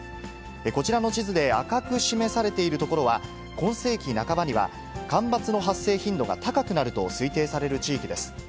こちらの地図で赤く示されている所は、今世紀半ばには、干ばつの発生頻度が高くなると推定される地域です。